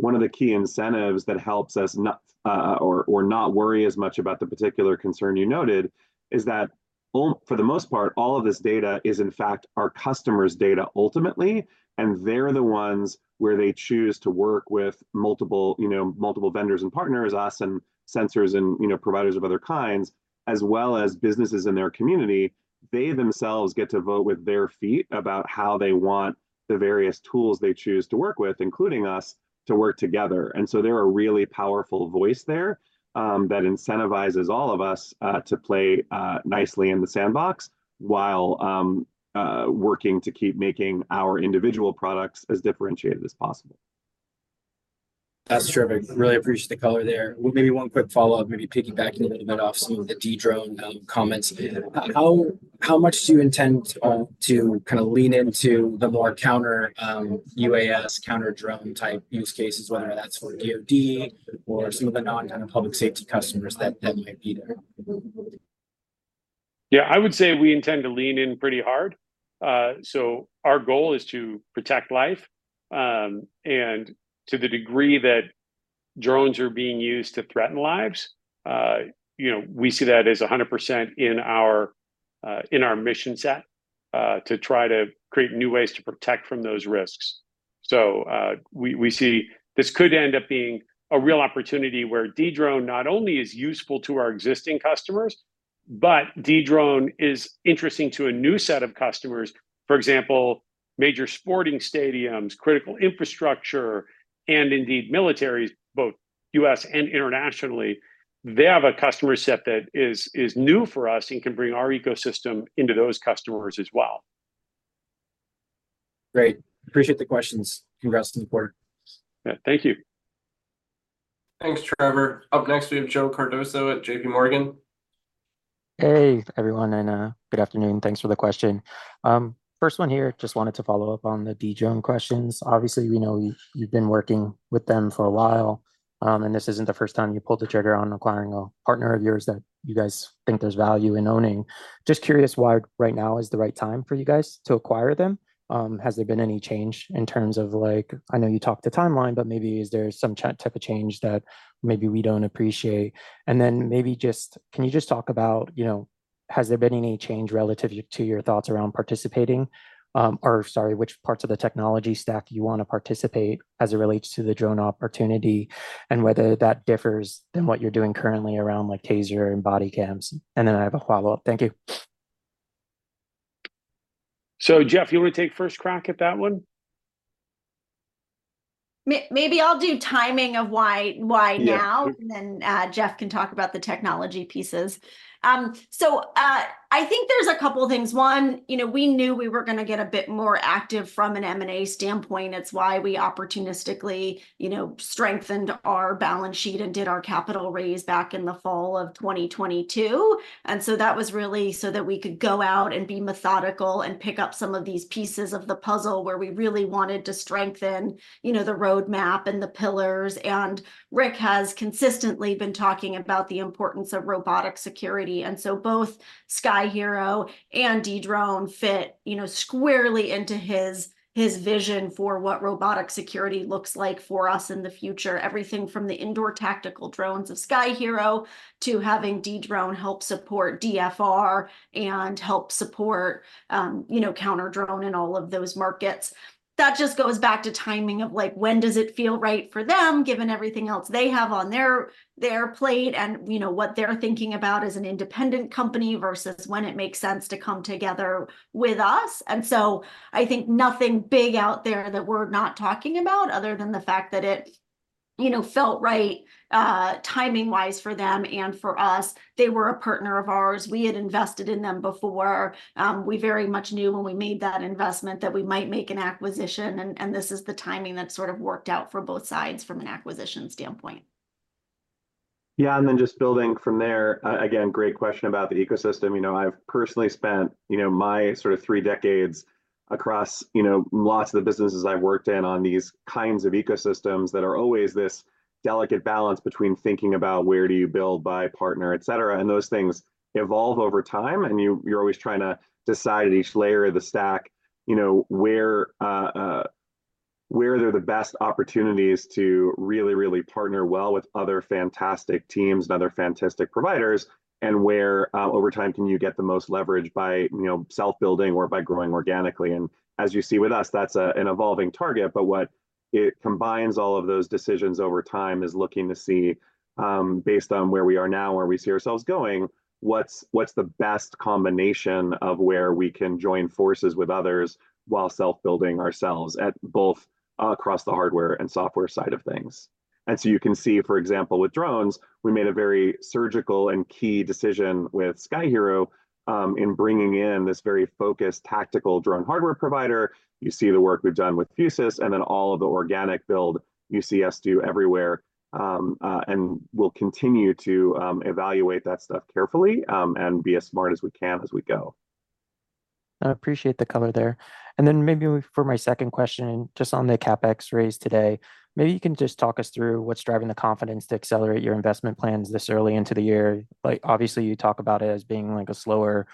one of the key incentives that helps us not worry as much about the particular concern you noted, is that for the most part, all of this data is, in fact, our customers' data ultimately, and they're the ones where they choose to work with multiple, you know, multiple vendors and partners, us and sensors and, you know, providers of other kinds, as well as businesses in their community. They themselves get to vote with their feet about how they want the various tools they choose to work with, including us, to work together. And so they're a really powerful voice there, that incentivizes all of us, to play nicely in the sandbox while working to keep making our individual products as differentiated as possible. That's terrific. Really appreciate the color there. Well, maybe one quick follow-up, maybe piggybacking a little bit off some of the Dedrone comments. How much do you intend to kinda lean into the more counter UAS, counter drone type use cases, whether that's for DOD or some of the non-kind of public safety customers that might be there? Yeah, I would say we intend to lean in pretty hard. So our goal is to protect life, and to the degree that drones are being used to threaten lives, you know, we see that as 100% in our, in our mission set, to try to create new ways to protect from those risks. So, we see this could end up being a real opportunity where Dedrone not only is useful to our existing customers, but Dedrone is interesting to a new set of customers. For example, major sporting stadiums, critical infrastructure, and indeed militaries, both U.S. and internationally. They have a customer set that is new for us and can bring our ecosystem into those customers as well. Great. Appreciate the questions. Congrats on the quarter. Yeah, thank you. Thanks, Trevor. Up next, we have Joe Cardoso at J.P. Morgan. Hey, everyone, and good afternoon. Thanks for the question. First one here, just wanted to follow up on the Dedrone questions. Obviously, we know you've been working with them for a while, and this isn't the first time you pulled the trigger on acquiring a partner of yours that you guys think there's value in owning. Just curious why right now is the right time for you guys to acquire them? Has there been any change in terms of, like, I know you talked the timeline, but maybe is there some type of change that maybe we don't appreciate? And then maybe just, can you just talk about, you know, has there been any change relative to your thoughts around participating? Or sorry, which parts of the technology stack you wanna participate as it relates to the drone opportunity, and whether that differs than what you're doing currently around, like, TASER and body cams. And then I have a follow-up. Thank you. So, Jeff, you wanna take first crack at that one? Maybe I'll do timing of why, why now- Yeah nd then, Jeff can talk about the technology pieces. So, I think there's a couple things. One, you know, we knew we were gonna get a bit more active from an M&A standpoint. It's why we opportunistically, you know, strengthened our balance sheet and did our capital raise back in the fall of 2022. And so that was really so that we could go out and be methodical and pick up some of these pieces of the puzzle where we really wanted to strengthen, you know, the roadmap and the pillars. And Rick has consistently been talking about the importance of robotic security, and so both Sky-Hero and Dedrone fit, you know, squarely into his, his vision for what robotic security looks like for us in the future. Everything from the indoor tactical drones of Sky-Hero, to having Dedrone help support DFR and help support, you know, counter-drone in all of those markets. That just goes back to timing of, like, when does it feel right for them, given everything else they have on their plate, and, you know, what they're thinking about as an independent company, versus when it makes sense to come together with us? And so, I think nothing big out there that we're not talking about, other than the fact that it, you know, felt right, timing-wise for them and for us. They were a partner of ours. We had invested in them before. We very much knew when we made that investment that we might make an acquisition, and this is the timing that sort of worked out for both sides from an acquisition standpoint. Yeah, and then just building from there, again, great question about the ecosystem. You know, I've personally spent, you know, my sort of three decades across, you know, lots of the businesses I've worked in on these kinds of ecosystems that are always this delicate balance between thinking about where do you build, buy, partner, et cetera. And those things evolve over time, and you, you're always trying to decide at each layer of the stack, you know, where, where are the best opportunities to really, really partner well with other fantastic teams and other fantastic providers, and where, over time, can you get the most leverage by, you know, self-building or by growing organically? As you see with us, that's an evolving target, but what it combines all of those decisions over time is looking to see, based on where we are now and where we see ourselves going, what's, what's the best combination of where we can join forces with others while self-building ourselves at both, across the hardware and software side of things? So you can see, for example, with drones, we made a very surgical and key decision with Sky-Hero, in bringing in this very focused tactical drone hardware provider. You see the work we've done with Fusus, and then all of the organic build you see us do everywhere. And we'll continue to evaluate that stuff carefully, and be as smart as we can as we go. I appreciate the color there. Then maybe for my second question, just on the CapEx raise today, maybe you can just talk us through what's driving the confidence to accelerate your investment plans this early into the year. Like, obviously, you talk about it as being, like, a slower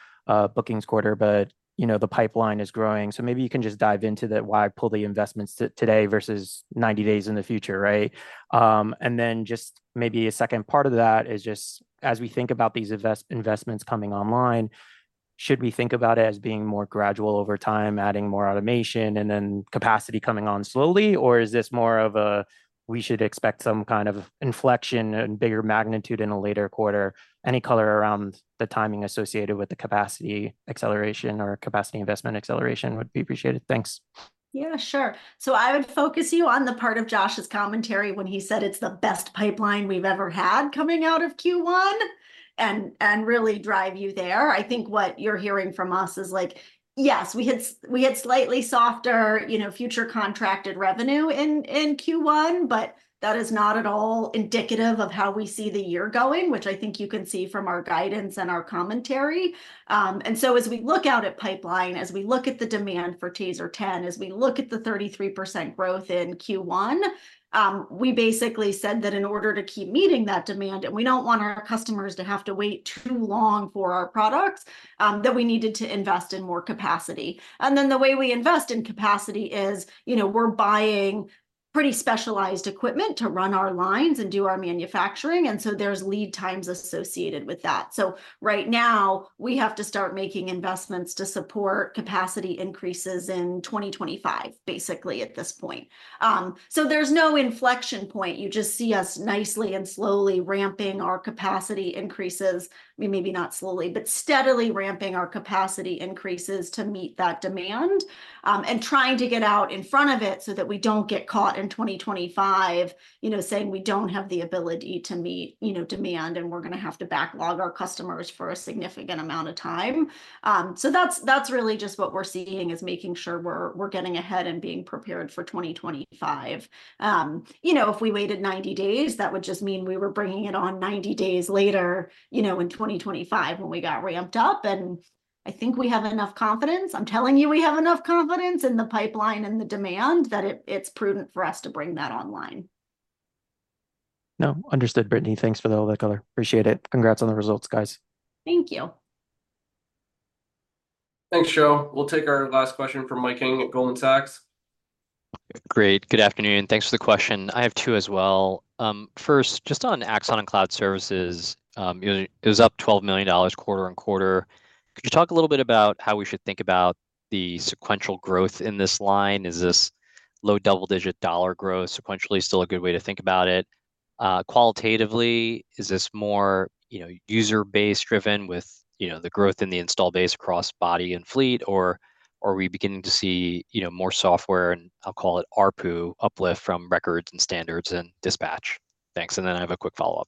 bookings quarter, but, you know, the pipeline is growing. So maybe you can just dive into the why pull the investments today versus 90 days in the future, right? And then just maybe a second part of that is just as we think about these investments coming online, should we think about it as being more gradual over time, adding more automation, and then capacity coming on slowly? Or is this more of a, we should expect some kind of inflection and bigger magnitude in a later quarter? Any color around the timing associated with the capacity acceleration or capacity investment acceleration would be appreciated. Thanks. Yeah, sure. So I would focus you on the part of Josh's commentary when he said it's the best pipeline we've ever had coming out of Q1, and, and really drive you there. I think what you're hearing from us is like, yes, we had we had slightly softer, you know, future contracted revenue in Q1, but that is not at all indicative of how we see the year going, which I think you can see from our guidance and our commentary. And so as we look out at pipeline, as we look at the demand for TASER 10, as we look at the 33% growth in Q1, we basically said that in order to keep meeting that demand, and we don't want our customers to have to wait too long for our products, that we needed to invest in more capacity. And then the way we invest in capacity is, you know, we're buying pretty specialized equipment to run our lines and do our manufacturing, and so there's lead times associated with that. So right now, we have to start making investments to support capacity increases in 2025, basically, at this point. So there's no inflection point. You just see us nicely and slowly ramping our capacity increases. I mean, maybe not slowly, but steadily ramping our capacity increases to meet that demand, and trying to get out in front of it so that we don't get caught in 2025, you know, saying we don't have the ability to meet, you know, demand, and we're gonna have to backlog our customers for a significant amount of time. So that's really just what we're seeing, is making sure we're getting ahead and being prepared for 2025. You know, if we waited 90 days, that would just mean we were bringing it on 90 days later, you know, in 2025 when we got ramped up, and I think we have enough confidence. I'm telling you, we have enough confidence in the pipeline and the demand, that it's prudent for us to bring that online. No, understood, Brittany. Thanks for all that color. Appreciate it. Congrats on the results, guys. Thank you. Thanks, Joe. We'll take our last question from Mike Ng at Goldman Sachs. Great. Good afternoon, thanks for the question. I have two as well. First, just on Axon and cloud services, you know, it was up $12 million quarter-over-quarter. Could you talk a little bit about how we should think about the sequential growth in this line? Is this low double-digit dollar growth sequentially still a good way to think about it? Qualitatively, is this more, you know, user base driven with, you know, the growth in the install base across body and fleet, or are we beginning to see, you know, more software, and I'll call it ARPU, uplift from records and standards and dispatch? Thanks, and then I have a quick follow-up.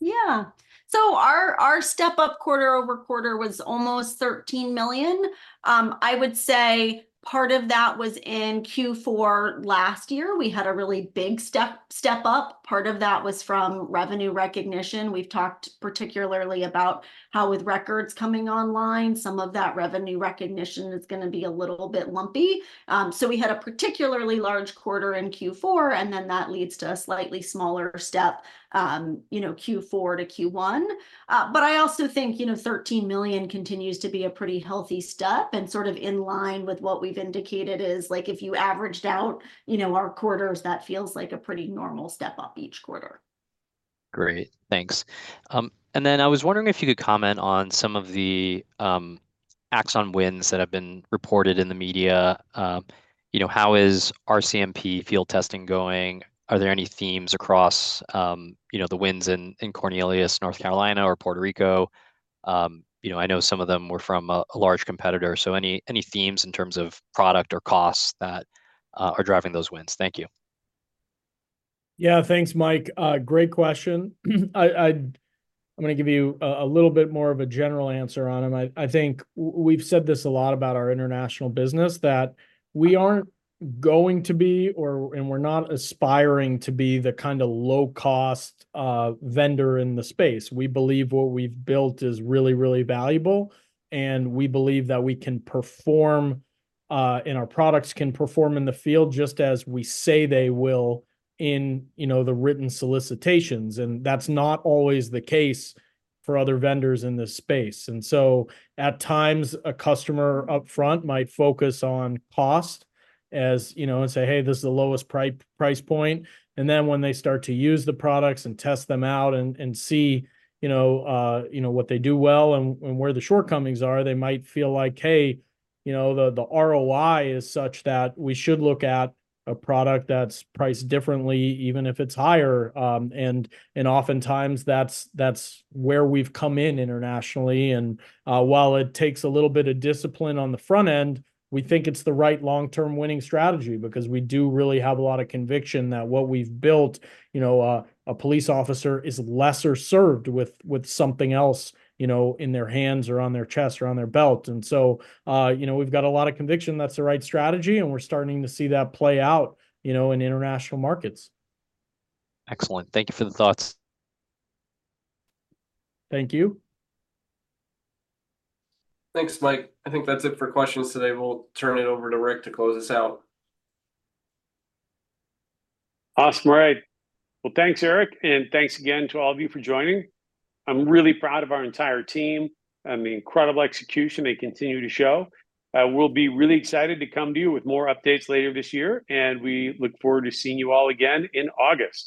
Yeah. So our step up quarter over quarter was almost $13 million. I would say part of that was in Q4 last year. We had a really big step up. Part of that was from revenue recognition. We've talked particularly about how with records coming online, some of that revenue recognition is gonna be a little bit lumpy. So we had a particularly large quarter in Q4, and then that leads to a slightly smaller step, you know, Q4 to Q1. But I also think, you know, $13 million continues to be a pretty healthy step, and sort of in line with what we've indicated is, like, if you averaged out, you know, our quarters, that feels like a pretty normal step up each quarter. Great, thanks. And then I was wondering if you could comment on some of the, Axon wins that have been reported in the media. You know, how is RCMP field testing going? Are there any themes across, you know, the wins in, in Cornelius, North Carolina, or Puerto Rico? You know, I know some of them were from a, a large competitor, so any, any themes in terms of product or costs that, are driving those wins? Thank you. Yeah, thanks, Mike. Great question. I'm gonna give you a little bit more of a general answer on them. I think we've said this a lot about our international business, that we aren't going to be and we're not aspiring to be the kind of low-cost vendor in the space. We believe what we've built is really, really valuable, and we believe that we can perform and our products can perform in the field just as we say they will in, you know, the written solicitations, and that's not always the case for other vendors in this space. And so, at times, a customer upfront might focus on cost, as, you know, and say, "Hey, this is the lowest price point," and then when they start to use the products and test them out and see, you know, what they do well and where the shortcomings are, they might feel like, "Hey, you know, the ROI is such that we should look at a product that's priced differently, even if it's higher." And oftentimes that's where we've come in internationally, and while it takes a little bit of discipline on the front end, we think it's the right long-term winning strategy. Because we do really have a lot of conviction that what we've built, you know, a police officer is lesser served with, with something else, you know, in their hands or on their chest or on their belt. And so, you know, we've got a lot of conviction that's the right strategy, and we're starting to see that play out, you know, in international markets. Excellent. Thank you for the thoughts. Thank you. Thanks, Mike. I think that's it for questions today. We'll turn it over to Rick to close us out. Awesome. All right. Well, thanks, Erik, and thanks again to all of you for joining. I'm really proud of our entire team and the incredible execution they continue to show. We'll be really excited to come to you with more updates later this year, and we look forward to seeing you all again in August.